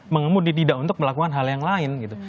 mengemudi tidak untuk melakukan hal yang lain gitu